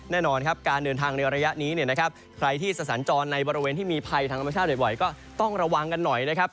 แน่นอนครับการเดินทางในระยะนี้เนี่ยนะครับใครที่จะสัญจรในบริเวณที่มีภัยทางธรรมชาติบ่อยก็ต้องระวังกันหน่อยนะครับ